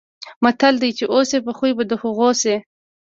متل دی: چې اوسې په خوی به د هغو شې.